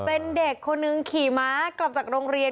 เป็นเด็กคนหนึ่งขี่ม้ากลับจากโรงเรียน